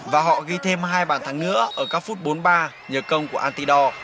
và họ ghi thêm hai bàn thắng nữa ở các phút bốn mươi ba nhờ công của artidor